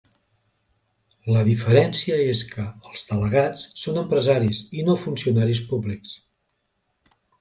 La diferència és que els delegats són empresaris i no funcionaris públics.